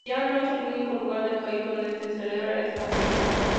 Chillán no es el único lugar del país donde se celebra esta fiesta.